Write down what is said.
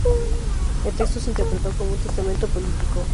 El texto se interpretó como un "testamento político".